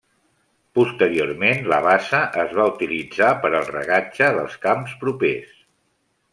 Posteriorment, la bassa es va utilitzar per al regatge dels camps propers.